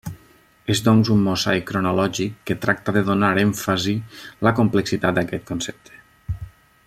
És doncs un mosaic cronològic que tracta de donar èmfasi la complexitat d'aquest concepte.